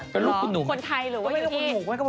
เป็นคนในวงการคือวงการ